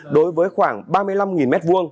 đối với khoảng ba mươi năm m hai